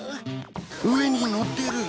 上に乗ってる？